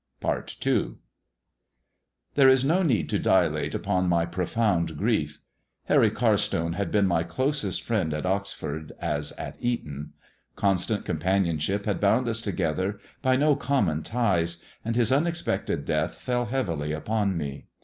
PART II THERE is no need to dilate upon my profound grief. Harry Carstone had been my closest friend at Oxford, as at Eton. Constant companionship had bound us together 236 'THE TALE OP THE TURQUOISE SKULL* by no common ties, and his unexpected death fell heavily upon me.